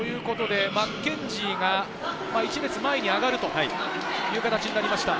マッケンジーが１列前に上がるという形になりました。